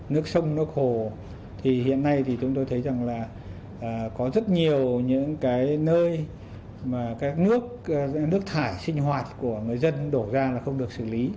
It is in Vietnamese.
nước sông nó khổ thì hiện nay thì chúng tôi thấy rằng là có rất nhiều những cái nơi mà các nước nước thải sinh hoạt của người dân đổ ra là không được xử lý